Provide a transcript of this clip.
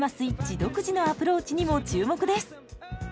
独自のアプローチにも注目です！